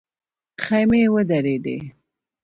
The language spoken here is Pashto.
خيمې ودرېدې.